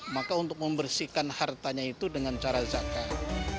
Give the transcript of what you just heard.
maka untuk membersihkan hartanya itu dengan cara zakat